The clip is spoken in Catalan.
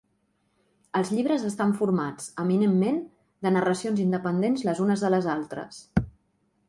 Els llibres estan formats, eminentment, de narracions independents les unes de les altres.